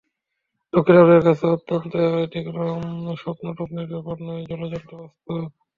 দক্ষিণ আফ্রিকার কাছে অন্তত এটি কোনো স্বপ্নটপ্নের ব্যাপার নয়, জলজ্যান্ত বাস্তব।